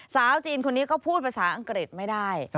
สาวจีนคนนี้ก็พูดภาษาอังกฤษไม่ได้